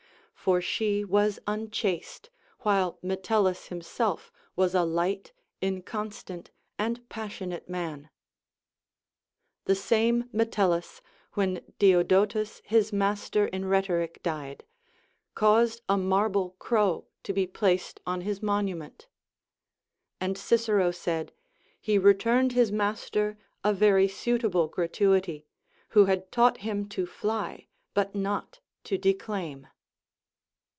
For she was unchaste, while Metelkis him self was a light, inconstant, and passionate man. The same Metellus, wlien Diodotus his master in rhetoric died, caused a marble crow to be placed on his monument ; and Cicero said, he returned his master a very suitable gratu ity, Λνΐιο had taught him to fly but not to declaim.